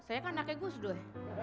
saya anaknya gusdur